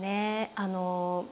あの。